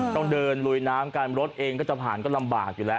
ต้องเดินลุยน้ำกันรถเองก็จะผ่านก็ลำบากอยู่แล้ว